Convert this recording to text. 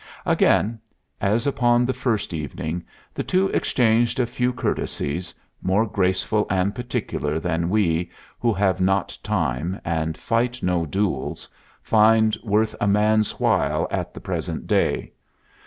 Again, as upon the first evening, the two exchanged a few courtesies, more graceful and particular than we, who have not time, and fight no duels, find worth a man's while at the present day.